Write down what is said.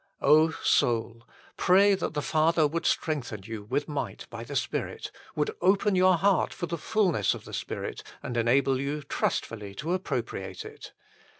soul, pray that the Father would strengthen you with might by the Spirit, would open your heart for the fulness of the Spirit, and enable you trustfully to appropriate it.